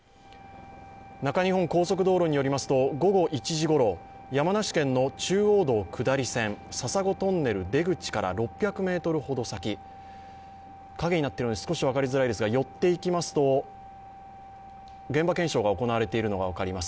中日本高速道路によりますと午後１時ごろ、山梨県の中央道下り線笹子トンネル出口から６００ｍほど先影になっているので、少し分かりづらいですが寄っていきますと現場検証が行われているのが分かります。